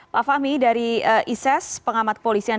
pak fahmi dari iss pengamat polisian